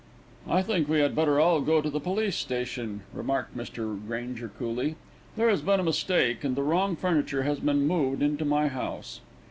"I think we had better all go to the police station," remarked Mr. Granger coolly. "There has been a mistake, and the wrong furniture has been moved into my house."